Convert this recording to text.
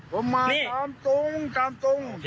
ผมมาตามตรงตามตรง